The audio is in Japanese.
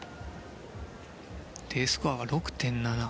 Ｄスコアが６．７。